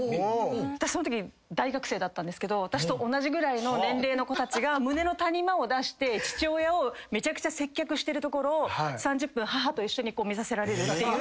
私そのとき大学生だったんですけど私と同じぐらいの年齢の子たちが胸の谷間を出して父親をめちゃくちゃ接客してるところを３０分母と一緒に見させられるっていう。